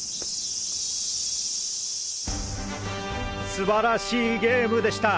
素晴らしいゲームでした。